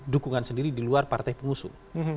dukungan sendiri di luar partai pengusung